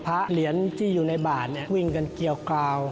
เหรียญที่อยู่ในบาทวิ่งกันเกี่ยวกราว